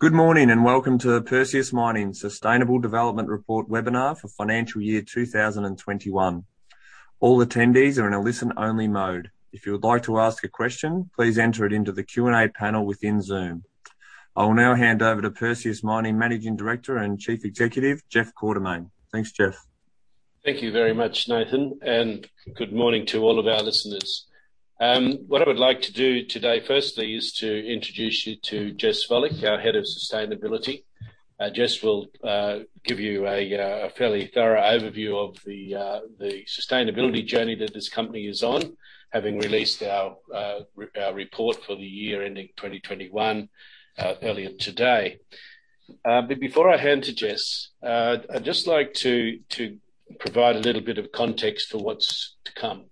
Good morning, welcome to the Perseus Mining Sustainable Development Report webinar for financial year 2021. All attendees are in a listen-only mode. If you would like to ask a question, please enter it into the Q&A panel within Zoom. I will now hand over to Perseus Mining Managing Director and Chief Executive, Jeff Quartermaine. Thanks, Jeff. Thank you very much, Nathan, and good morning to all of our listeners. What I would like to do today, firstly, is to introduce you to Jess Volich, our head of sustainability. Jess will give you a fairly thorough overview of the sustainability journey that this company is on, having released our report for the year ending 2021 earlier today. Before I hand to Jess, I'd just like to provide a little bit of context for what's to come.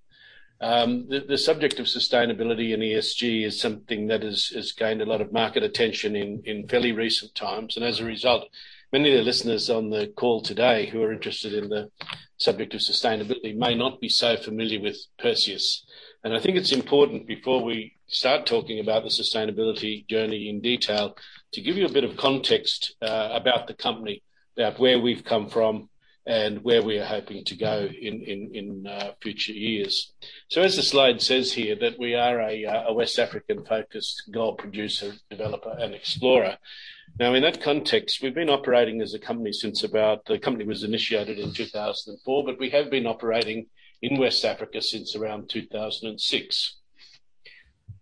The subject of sustainability and ESG is something that has gained a lot of market attention in fairly recent times. As a result, many of the listeners on the call today who are interested in the subject of sustainability may not be so familiar with Perseus. I think it's important before we start talking about the sustainability journey in detail, to give you a bit of context about the company, about where we've come from, and where we are hoping to go in future years. As the slide says here, that we are a West African-focused gold producer, developer, and explorer. In that context, we've been operating as a company since about The company was initiated in 2004, but we have been operating in West Africa since around 2006.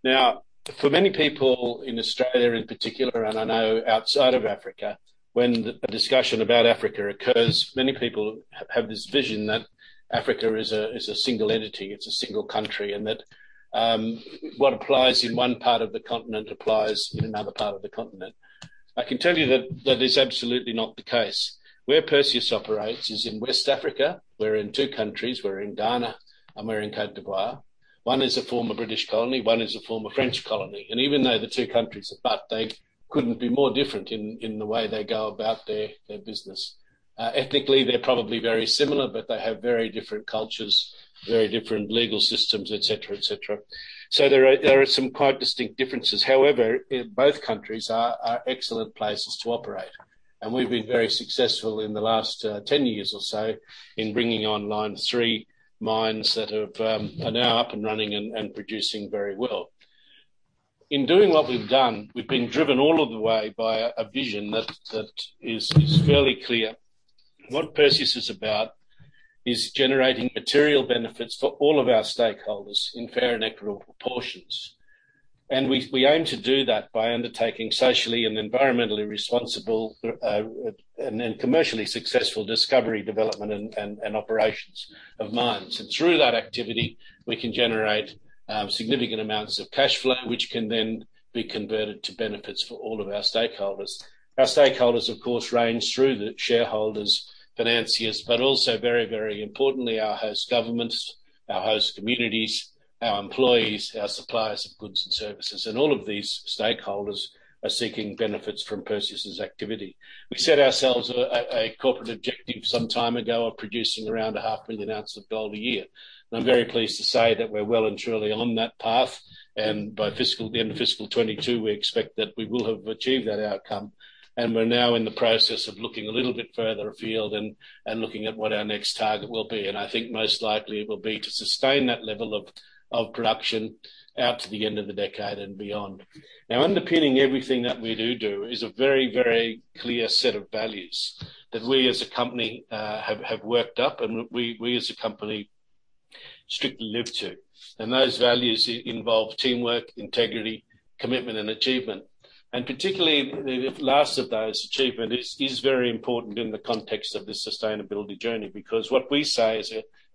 For many people in Australia in particular, and I know outside of Africa, when a discussion about Africa occurs, many people have this vision that Africa is a single entity, it's a single country, and that what applies in one part of the continent applies in another part of the continent. I can tell you that that is absolutely not the case. Where Perseus operates is in West Africa. We're in two countries. We're in Ghana and we're in Côte d'Ivoire. One is a former British colony, one is a former French colony. Even though the two countries abut, they couldn't be more different in the way they go about their business. Ethnically, they're probably very similar, but they have very different cultures, very different legal systems, et cetera. There are some quite distinct differences. However, both countries are excellent places to operate, and we've been very successful in the last 10 years or so in bringing online three mines that are now up and running and producing very well. In doing what we've done, we've been driven all of the way by a vision that is fairly clear. What Perseus is about is generating material benefits for all of our stakeholders in fair and equitable portions. We aim to do that by undertaking socially and environmentally responsible, and then commercially successful discovery development and operations of mines. Through that activity, we can generate significant amounts of cash flow, which can then be converted to benefits for all of our stakeholders. Our stakeholders, of course, range through the shareholders, financiers, but also very importantly, our host governments, our host communities, our employees, our suppliers of goods and services. All of these stakeholders are seeking benefits from Perseus' activity. We set ourselves a corporate objective some time ago of producing around 0.5 million ounces of gold a year. I'm very pleased to say that we're well and truly on that path, and by the end of fiscal 2022, we expect that we will have achieved that outcome. We're now in the process of looking a little bit further afield and looking at what our next target will be. I think most likely it will be to sustain that level of production out to the end of the decade and beyond. Now, underpinning everything that we do is a very clear set of values that we as a company have worked up and we as a company strictly live to. Those values involve teamwork, integrity, commitment, and achievement. Particularly, the last of those, achievement, is very important in the context of this sustainability journey. Because what we say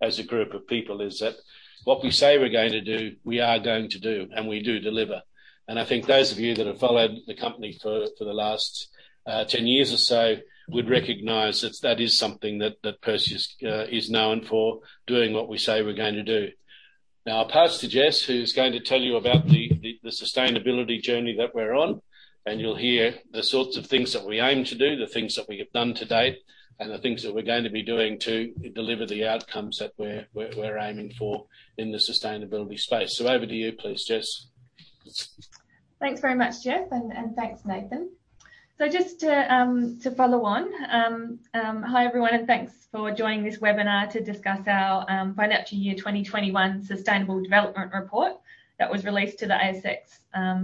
as a group of people is that, what we say we're going to do, we are going to do, and we do deliver. I think those of you that have followed the company for the last 10 years or so would recognize that is something that Perseus is known for, doing what we say we're going to do. Now, I'll pass to Jess, who's going to tell you about the sustainability journey that we're on. You'll hear the sorts of things that we aim to do, the things that we have done to date, and the things that we're going to be doing to deliver the outcomes that we're aiming for in the sustainability space. Over to you please, Jess. Thanks very much, Jeff, and thanks, Nathan. Just to follow on, hi everyone, and thanks for joining this webinar to discuss our financial year 2021 Sustainable Development Report that was released to the ASX,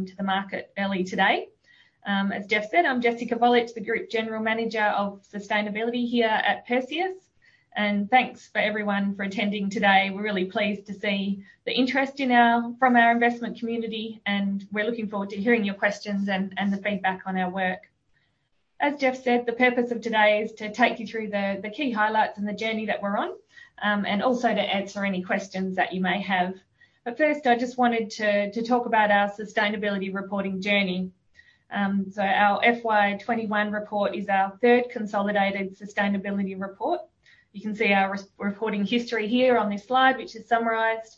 to the market early today. As Jeff said, I'm Jessica Volich, the Group General Manager of Sustainability here at Perseus. Thanks for everyone for attending today. We're really pleased to see the interest from our investment community, and we're looking forward to hearing your questions and the feedback on our work. As Jeff said, the purpose of today is to take you through the key highlights and the journey that we're on, and also to answer any questions that you may have. First, I just wanted to talk about our sustainability reporting journey. Our FY 2021 report is our third consolidated sustainability report. You can see our reporting history here on this slide, which is summarized.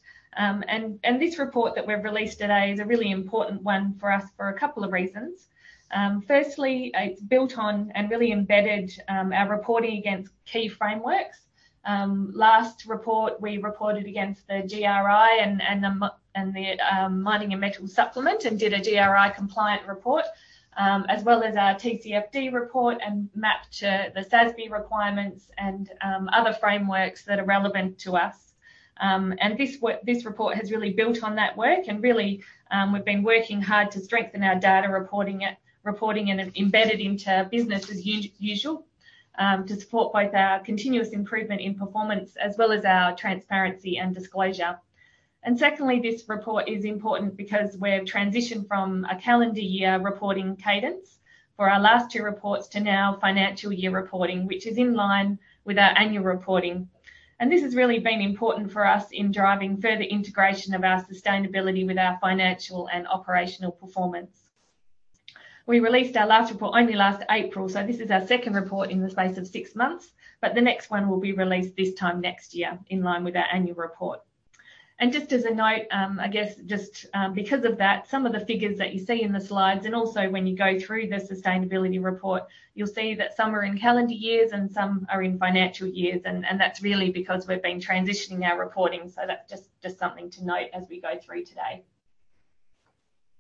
This report that we've released today is a really important one for us for a couple of reasons. Firstly, it's built on and really embedded our reporting against key frameworks. Last report, we reported against the GRI and the Mining and Metals Sector Supplement and did a GRI compliant report, as well as our TCFD report and mapped to the SASB requirements and other frameworks that are relevant to us. This report has really built on that work, and really we've been working hard to strengthen our data reporting and embed it into business as usual to support both our continuous improvement in performance as well as our transparency and disclosure. Secondly, this report is important because we've transitioned from a calendar year reporting cadence for our last two reports to now financial year reporting, which is in line with our annual reporting. This has really been important for us in driving further integration of our sustainability with our financial and operational performance. We released our last report only last April, so this is our second report in the space of six months, but the next one will be released this time next year in line with our annual report. Just as a note, I guess just because of that, some of the figures that you see in the slides and also when you go through the sustainability report, you'll see that some are in calendar years and some are in financial years, and that's really because we've been transitioning our reporting. That's just something to note as we go through today.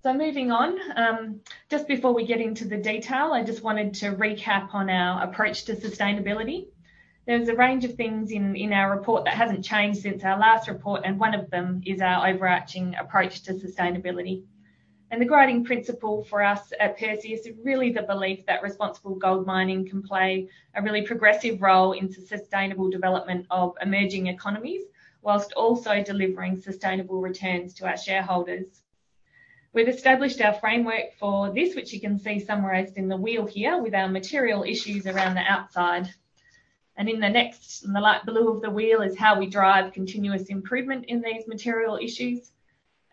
Moving on. Just before we get into the detail, I just wanted to recap on our approach to sustainability. There's a range of things in our report that hasn't changed since our last report, and one of them is our overarching approach to sustainability. The guiding principle for us at Perseus is really the belief that responsible gold mining can play a really progressive role in sustainable development of emerging economies whilst also delivering sustainable returns to our shareholders. We've established our framework for this, which you can see summarized in the wheel here with our material issues around the outside. In the next, in the light blue of the wheel, is how we drive continuous improvement in these material issues.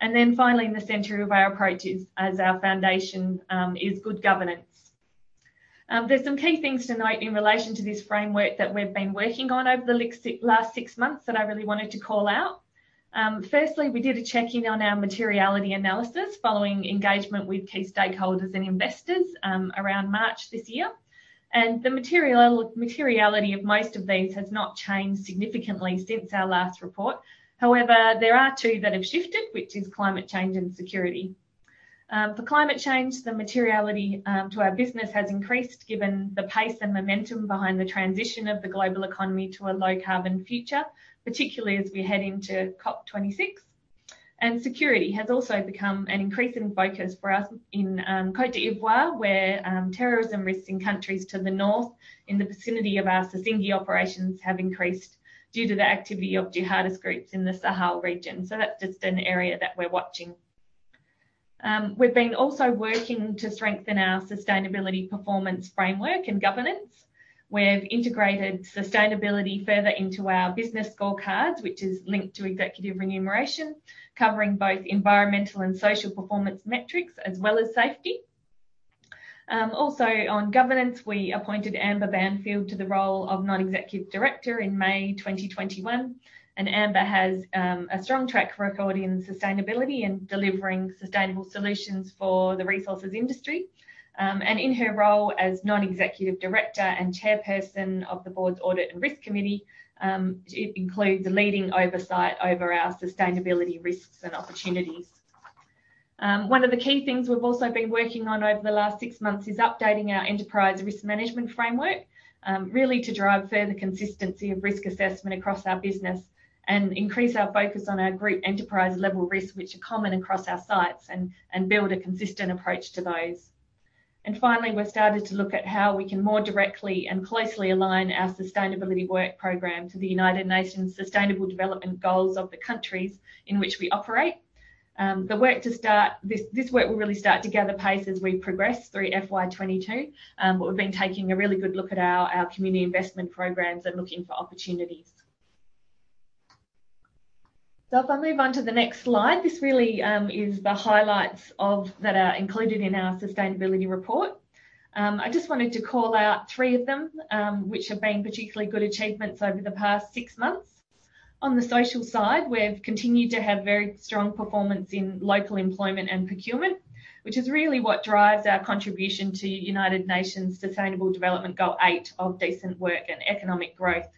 Finally, in the center of our approach as our foundation is good governance. There's some key things to note in relation to this framework that we've been working on over the last six months that I really wanted to call out. Firstly, we did a check-in on our materiality analysis following engagement with key stakeholders and investors around March this year. The materiality of most of these has not changed significantly since our last report. However, there are two that have shifted, which is climate change and security. For climate change, the materiality to our business has increased given the pace and momentum behind the transition of the global economy to a low-carbon future, particularly as we head into COP26. Security has also become an increasing focus for us in Côte d'Ivoire, where terrorism risks in countries to the north in the vicinity of our Sissingué operations have increased due to the activity of jihadist groups in the Sahel region. That's just an area that we're watching. We've been also working to strengthen our sustainability performance framework and governance. We've integrated sustainability further into our business scorecards, which is linked to executive remuneration, covering both environmental and social performance metrics as well as safety. Also on governance, we appointed Amber Banfield to the role of non-executive director in May 2021. Amber has a strong track record in sustainability and delivering sustainable solutions for the resources industry. In her role as non-executive director and chairperson of the board's Audit and Risk Committee, it includes leading oversight over our sustainability risks and opportunities. One of the key things we've also been working on over the last six months is updating our enterprise risk management framework, really to drive further consistency of risk assessment across our business and increase our focus on our group enterprise-level risk, which are common across our sites, and build a consistent approach to those. Finally, we've started to look at how we can more directly and closely align our sustainability work program to the United Nations Sustainable Development Goals of the countries in which we operate. This work will really start to gather pace as we progress through FY 2022. We've been taking a really good look at our community investment programs and looking for opportunities. If I move on to the next slide, this really is the highlights that are included in our sustainability report. I just wanted to call out three of them, which have been particularly good achievements over the past six months. On the social side, we've continued to have very strong performance in local employment and procurement, which is really what drives our contribution to United Nations Sustainable Development Goal 8 of decent work and economic growth.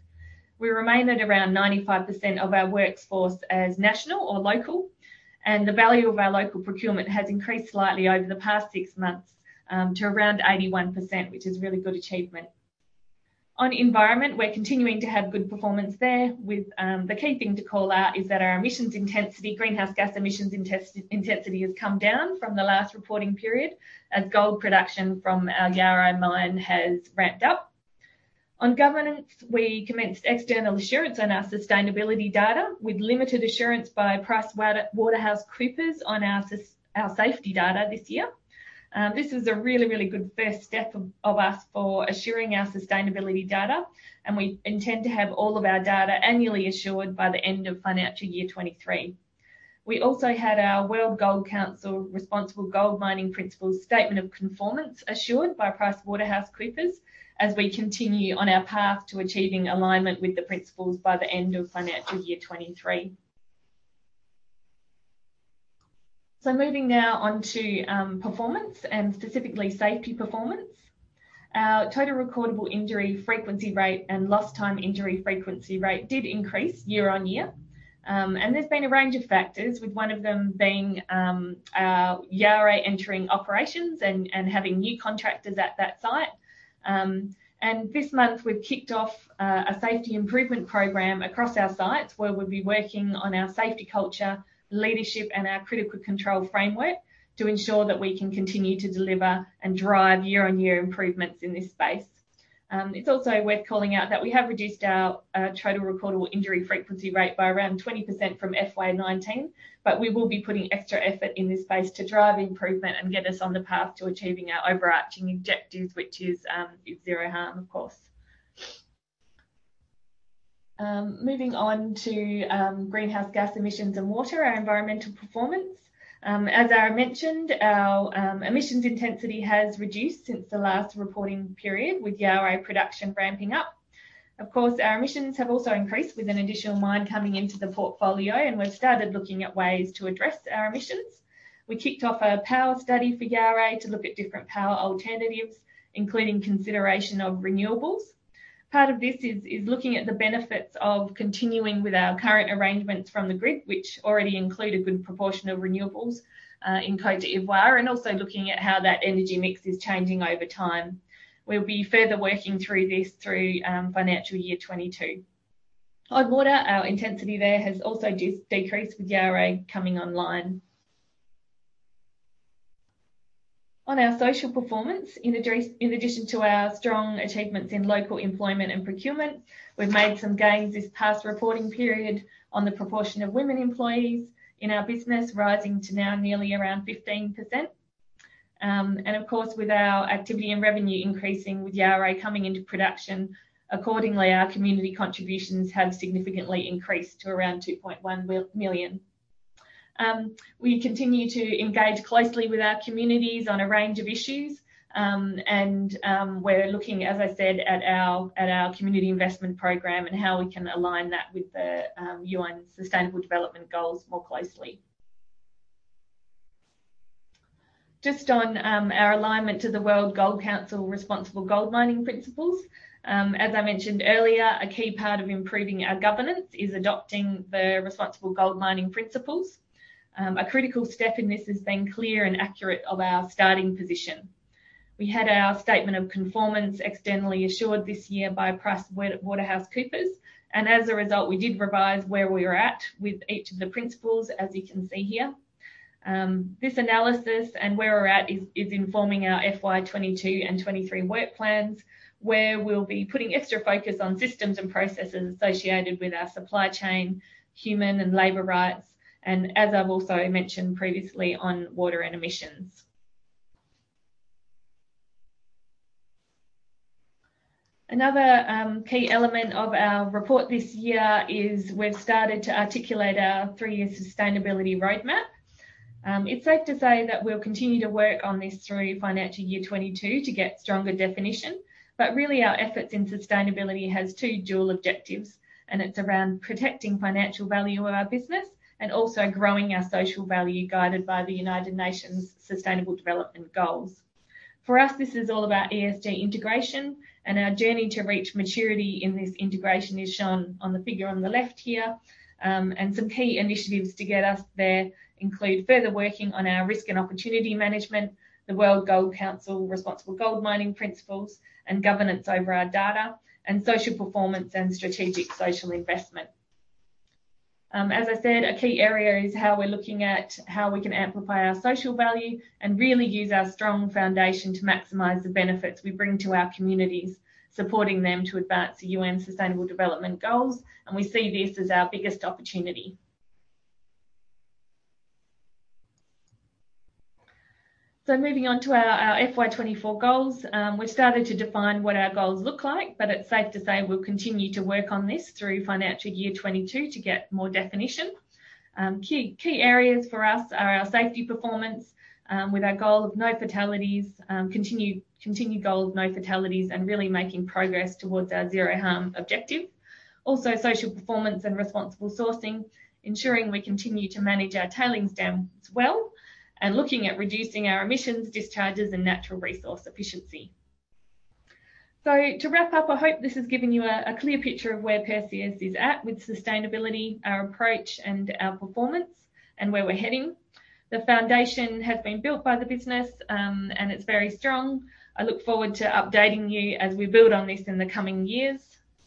We remain at around 95% of our workforce as national or local, and the value of our local procurement has increased slightly over the past six months to around 81%, which is a really good achievement. On environment, we're continuing to have good performance there with the key thing to call out is that our emissions intensity, greenhouse gas emissions intensity, has come down from the last reporting period as gold production from our Yaouré mine has ramped up. On governance, we commenced external assurance on our sustainability data with limited assurance by PricewaterhouseCoopers on our safety data this year. This is a really, really good first step of us for assuring our sustainability data, and we intend to have all of our data annually assured by the end of financial year 2023. We also had our World Gold Council Responsible Gold Mining Principles statement of conformance assured by PricewaterhouseCoopers as we continue on our path to achieving alignment with the principles by the end of financial year 2023. Moving now on to performance and specifically safety performance. Our total recordable injury frequency rate and lost time injury frequency rate did increase year on year. There's been a range of factors, with one of them being Yaouré entering operations and having new contractors at that site. This month we've kicked off a safety improvement program across our sites where we'll be working on our safety culture, leadership, and our critical control framework to ensure that we can continue to deliver and drive year-on-year improvements in this space. It's also worth calling out that we have reduced our total recordable injury frequency rate by around 20% from FY 2019, but we will be putting extra effort in this space to drive improvement and get us on the path to achieving our overarching objectives, which is zero harm, of course. Moving on to greenhouse gas emissions and water, our environmental performance. As I mentioned, our emissions intensity has reduced since the last reporting period with Yaouré production ramping up. Of course, our emissions have also increased with an additional mine coming into the portfolio, and we've started looking at ways to address our emissions. We kicked off a power study for Yaouré to look at different power alternatives, including consideration of renewables. Part of this is looking at the benefits of continuing with our current arrangements from the grid, which already include a good proportion of renewables in Côte d'Ivoire, and also looking at how that energy mix is changing over time. We'll be further working through this through FY 2022. On water, our intensity there has also decreased with Yaouré coming online. On our social performance, in addition to our strong achievements in local employment and procurement, we've made some gains this past reporting period on the proportion of women employees in our business, rising to now nearly around 15%. Of course, with our activity and revenue increasing with Yaouré coming into production, accordingly, our community contributions have significantly increased to around 2.1 million. We continue to engage closely with our communities on a range of issues. We're looking, as I said, at our community investment program and how we can align that with the UN Sustainable Development Goals more closely. Just on our alignment to the World Gold Council Responsible Gold Mining Principles. As I mentioned earlier, a key part of improving our governance is adopting the Responsible Gold Mining Principles. A critical step in this has been clear and accurate of our starting position. We had our statement of conformance externally assured this year by PricewaterhouseCoopers, and as a result, we did revise where we were at with each of the principles, as you can see here. This analysis and where we're at is informing our FY 2022 and 2023 work plans, where we'll be putting extra focus on systems and processes associated with our supply chain, human and labor rights, and as I've also mentioned previously, on water and emissions. Another key element of our report this year is we've started to articulate our three year sustainability roadmap. It's safe to say that we'll continue to work on this through financial year 2022 to get stronger definition. Really our efforts in sustainability has two dual objectives, and it's around protecting financial value of our business and also growing our social value guided by the United Nations Sustainable Development Goals. For us, this is all about ESG integration, and our journey to reach maturity in this integration is shown on the figure on the left here. Some key initiatives to get us there include further working on our risk and opportunity management, the World Gold Council Responsible Gold Mining Principles, and governance over our data, and social performance and strategic social investment. As I said, a key area is how we're looking at how we can amplify our social value and really use our strong foundation to maximize the benefits we bring to our communities, supporting them to advance the UN Sustainable Development Goals, and we see this as our biggest opportunity. Moving on to our FY 2024 goals. We've started to define what our goals look like, but it's safe to say we'll continue to work on this through financial year 2022 to get more definition. Key areas for us are our safety performance, with our goal of no fatalities, continued goal of no fatalities and really making progress towards our zero harm objective. Social performance and responsible sourcing, ensuring we continue to manage our tailings dam as well, and looking at reducing our emissions, discharges, and natural resource efficiency. To wrap up, I hope this has given you a clear picture of where Perseus is at with sustainability, our approach and our performance, and where we're heading. The foundation has been built by the business, and it's very strong. I look forward to updating you as we build on this in the coming years.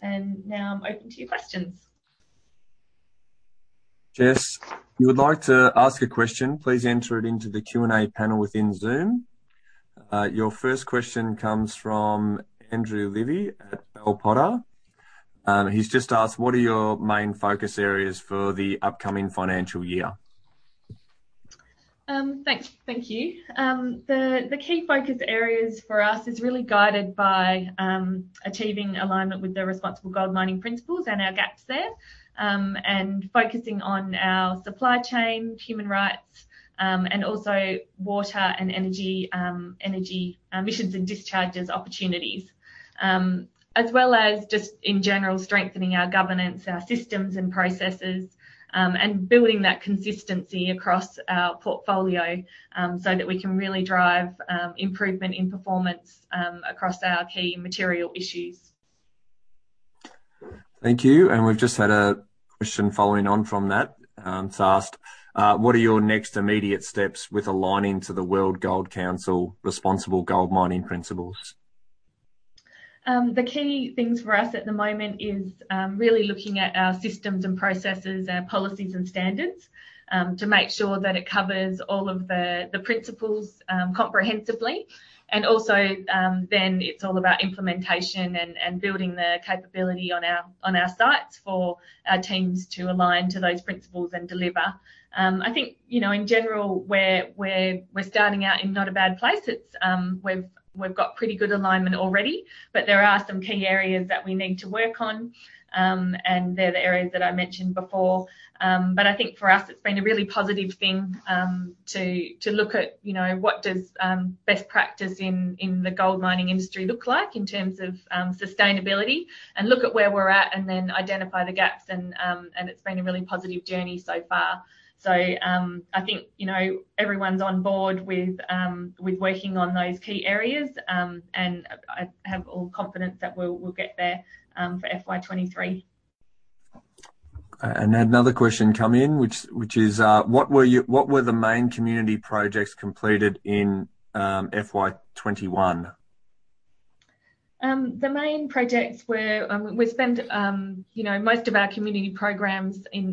Now I'm open to your questions. Jess, if you would like to ask a question, please enter it into the Q&A panel within Zoom. Your first question comes from Andrew Livy at Bell Potter. He's just asked, what are your main focus areas for the upcoming financial year? Thank you. The key focus areas for us is really guided by achieving alignment with the Responsible Gold Mining Principles and our gaps there, and focusing on our supply chain, human rights, and also water and energy emissions and discharges opportunities. As well as just in general, strengthening our governance, our systems and processes, and building that consistency across our portfolio, so that we can really drive improvement in performance across our key material issues. Thank you. We've just had a question following on from that. It's asked: What are your next immediate steps with aligning to the World Gold Council Responsible Gold Mining Principles? The key things for us at the moment is really looking at our systems and processes, our policies and standards, to make sure that it covers all of the principles comprehensively. It's all about implementation and building the capability on our sites for our teams to align to those principles and deliver. I think, in general, we're starting out in not a bad place. We've got pretty good alignment already, but there are some key areas that we need to work on, and they're the areas that I mentioned before. I think for us, it's been a really positive thing to look at what does best practice in the gold mining industry look like in terms of sustainability, and look at where we're at, and then identify the gaps. It's been a really positive journey so far. I think everyone's on board with working on those key areas. I have all confidence that we'll get there for FY 2023. We had another question come in, which is a: What were the main community projects completed in FY 2021?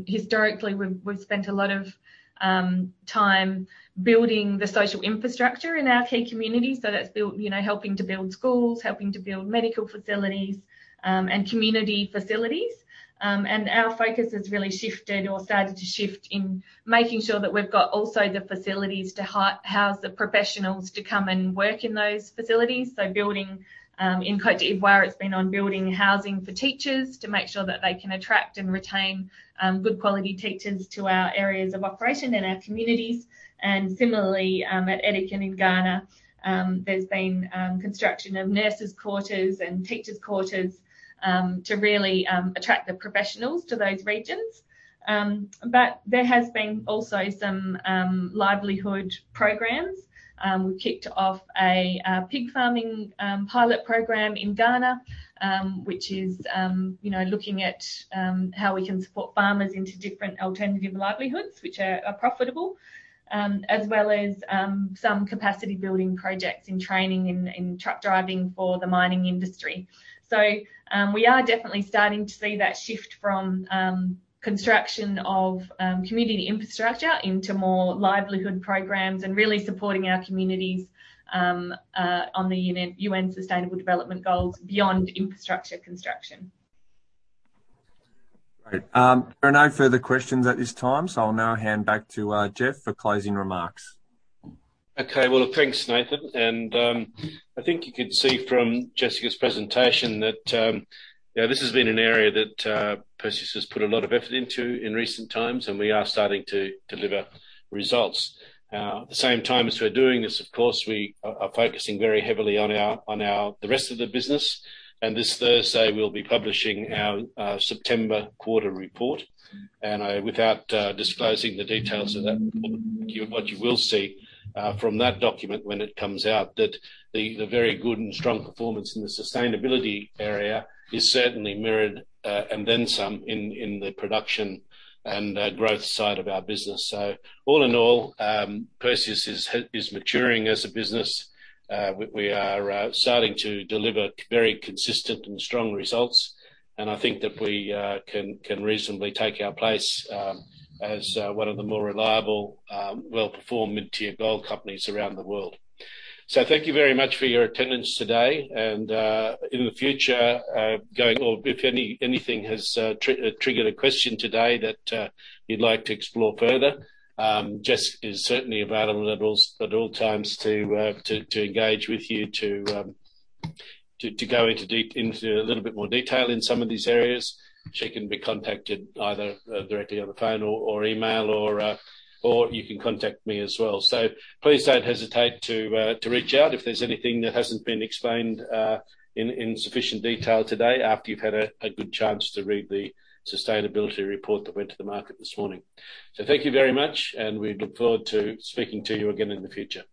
Historically, we've spent a lot of time building the social infrastructure in our key communities. That's helping to build schools, helping to build medical facilities, and community facilities. Our focus has really shifted or started to shift in making sure that we've got also the facilities to house the professionals to come and work in those facilities. Building in Côte d'Ivoire, it's been on building housing for teachers to make sure that they can attract and retain good quality teachers to our areas of operation and our communities. Similarly, at Edikan in Ghana, there's been construction of nurses' quarters and teachers' quarters, to really attract the professionals to those regions. There has been also some livelihood programs. We kicked off a pig farming pilot program in Ghana, which is looking at how we can support farmers into different alternative livelihoods which are profitable, as well as some capacity building projects in training in truck driving for the mining industry. We are definitely starting to see that shift from construction of community infrastructure into more livelihood programs and really supporting our communities on the UN Sustainable Development Goals beyond infrastructure construction. Great. There are no further questions at this time, so I'll now hand back to Jeff for closing remarks. Okay. Well, thanks, Nathan. I think you could see from Jessica's presentation that this has been an area that Perseus has put a lot of effort into in recent times, and we are starting to deliver results. At the same time as we're doing this, of course, we are focusing very heavily on the rest of the business. This Thursday, we'll be publishing our September quarter report. Without disclosing the details of that report, what you will see from that document when it comes out, that the very good and strong performance in the sustainability area is certainly mirrored and then some in the production and growth side of our business. All in all, Perseus is maturing as a business. We are starting to deliver very consistent and strong results, and I think that we can reasonably take our place as one of the more reliable, well-performed mid-tier gold companies around the world. Thank you very much for your attendance today. In the future, or if anything has triggered a question today that you'd like to explore further, Jess is certainly available at all times to engage with you to go into a little bit more detail in some of these areas. She can be contacted either directly on the phone or email, or you can contact me as well. Please don't hesitate to reach out if there's anything that hasn't been explained in sufficient detail today after you've had a good chance to read the sustainability report that went to the market this morning. Thank you very much, and we look forward to speaking to you again in the future.